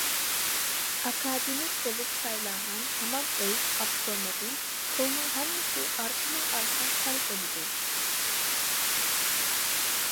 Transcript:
ئاكادېمىك بولۇپ سايلانغان ھامان ئۆي، ئاپتوموبىل، پۇلنىڭ ھەممىسى ئارقىمۇ ئارقا تەل بولىدۇ.